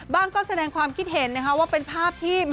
ก็แสดงความคิดเห็นนะคะว่าเป็นภาพที่